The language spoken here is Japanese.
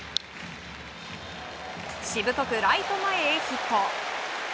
しぶとくライト前へヒット。